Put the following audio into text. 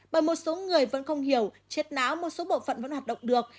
bởi một số người vẫn không hiểu chết não một số bộ phận vẫn hoạt động được